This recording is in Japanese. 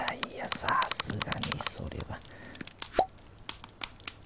「さすがにそれは」。